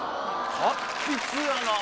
達筆やなぁ！